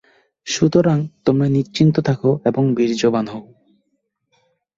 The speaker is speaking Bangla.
সুতরাং তোমরা নিশ্চিন্ত থাক এবং বীর্যবান হও।